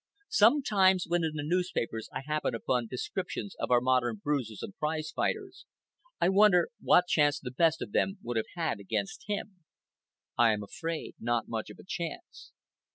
Sometimes, when in the newspapers I happen upon descriptions of our modern bruisers and prizefighters, I wonder what chance the best of them would have had against him. I am afraid not much of a chance.